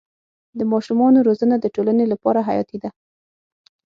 د ماشومانو روزنه د ټولنې لپاره حیاتي ده.